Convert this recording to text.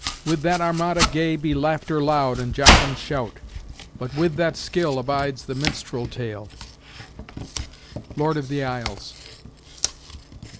With that armada gay Be laughter loud, and jocund shout But with that skill Abides the minstrel tale." Lord of the Isles.